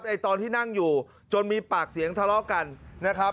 ตอนที่นั่งอยู่จนมีปากเสียงทะเลาะกันนะครับ